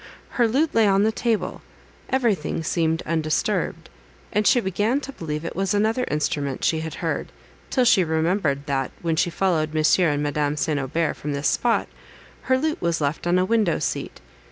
Her lute lay on the table; everything seemed undisturbed, and she began to believe it was another instrument she had heard, till she remembered, that, when she followed M. and Madame St. Aubert from this spot, her lute was left on a window seat.